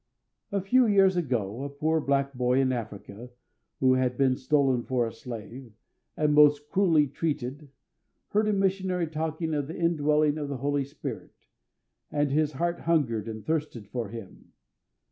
A few years ago a poor black boy in Africa, who had been stolen for a slave, and most cruelly treated, heard a missionary talking of the indwelling of the Holy Spirit, and his heart hungered and thirsted for Him.